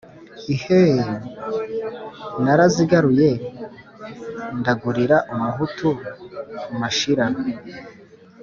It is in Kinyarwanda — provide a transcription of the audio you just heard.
iheee! naraziraguye ndagurira umuhutu mashira